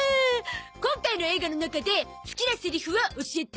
今回の映画の中で好きなセリフを教えて！